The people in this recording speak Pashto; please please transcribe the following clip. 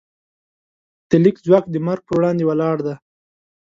د لیک ځواک د مرګ پر وړاندې ولاړ دی.